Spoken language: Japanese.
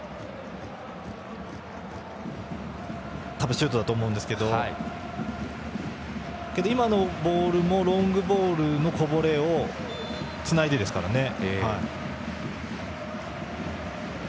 多分シュートだったと思いますが今のボールもロングボールのこぼれをつないでですからね。